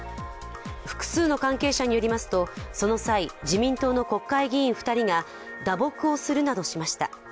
複数の関係者によりますとその際、自民党の国会議員２人が打撲をするなどしました。